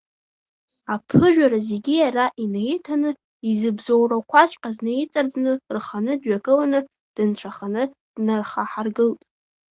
Аԥыжәара зегьы иара инаиҭаны, изыбзоурақәаҵәҟьаз наиҵарӡны, рханы дҩаганы, дынцәаханы днархаҳаргылт.